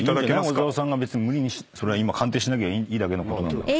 小澤さんが別に無理に今鑑定しなきゃいいだけのことなんだから。